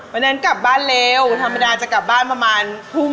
วันนั้นกลับบ้านเร็วธรรมดาจะกลับบ้านประมาณทุ่ม